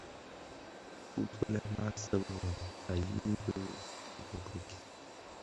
Bisulè maa seňi wêm a yibi itoki kii.